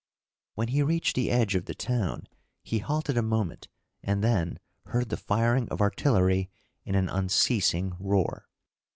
When he reached the edge of the town he halted a moment, and then heard the firing of artillery in an unceasing roar.